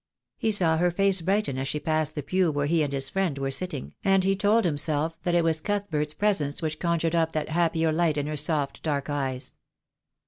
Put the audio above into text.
He saw her face brighten as she passed the pew where he and his friend were sitting, and he told himself that it was Cuthbert's pre sence which conjured up that happier light in her soft, dark eyes.